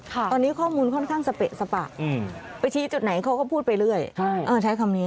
ตอนนี้ข้อมูลค่อนข้างสเปะสปะไปชี้จุดไหนเขาก็พูดไปเรื่อยใช้คำนี้